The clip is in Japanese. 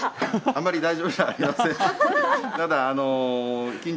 あんまり大丈夫じゃありません。